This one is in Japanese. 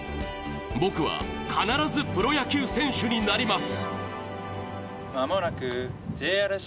僕は必ずプロ野球選手になります。